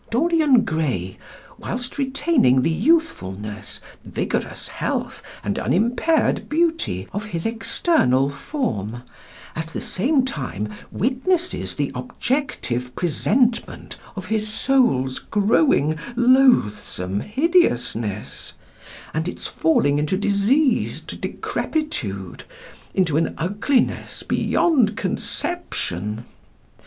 Dorian Gray, whilst retaining the youthfulness, vigorous health, and unimpaired beauty of his external form, at the same time witnesses the objective presentment of his soul's growing, loathsome hideousness; and its falling into diseased decrepitude, into an ugliness beyond conception.